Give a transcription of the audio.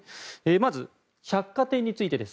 まず、百貨店についてです。